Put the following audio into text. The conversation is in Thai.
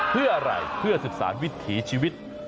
เพื่ออะไรเพื่อสืบสารวิถีชีวิต